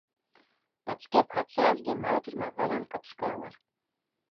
Dat skip hat sels gjin motor, mar wol in opskower.